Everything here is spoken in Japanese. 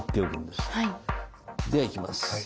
ではいきます。